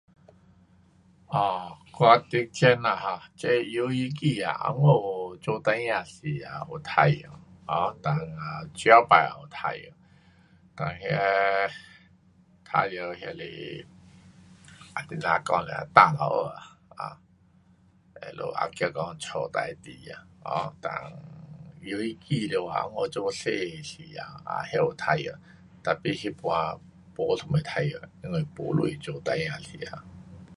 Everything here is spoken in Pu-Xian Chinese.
[um]我对这呐[um]这游戏机啊，温故做孩儿时头有玩耍，[um] dan啊 这次也有玩耍，跟那，玩耍那是，啊怎样讲呢[um]放那里啊，他们也这讲家事情啊，dan 这游戏机啊，温故做孩儿时头那有玩耍，tapi 那次没什么玩，因为没钱做孩儿时头。